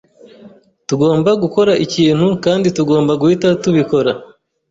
Tugomba gukora ikintu kandi tugomba guhita tubikora.